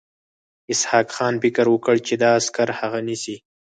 اسحق خان فکر وکړ چې دا عسکر هغه نیسي.